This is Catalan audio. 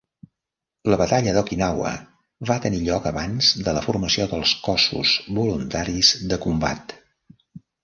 La Batalla d'Okinawa va tenir lloc abans de la formació dels Cossos Voluntaris de Combat.